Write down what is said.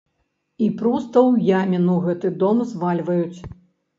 І проста ў яміну гэты дом звальваюць.